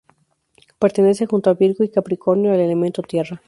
Pertenece junto a Virgo y Capricornio al elemento tierra.